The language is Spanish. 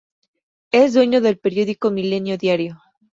Es dueño del periódico Milenio Diario.